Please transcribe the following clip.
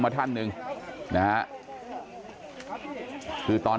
เพื่อนบ้านเจ้าหน้าที่อำรวจกู้ภัย